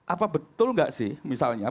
apa betul nggak sih misalnya